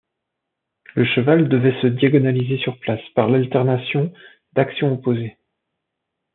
Le cheval devait se diagonaliser sur place par l'alternation d'actions opposées.